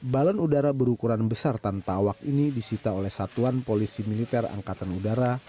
balon udara berukuran besar tanpa awak ini disita oleh satuan polisi militer angkatan udara